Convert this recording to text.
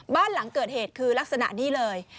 บ้านหลังเกิดเหตุคือลักษณะนี้เลย